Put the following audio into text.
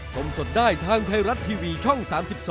ชมสดได้ทางไทยรัฐทีวีช่อง๓๒